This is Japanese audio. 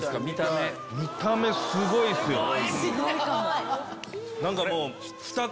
見た目すごいっすよ。